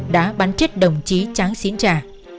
đã bắn chết đồng chí tráng xín trà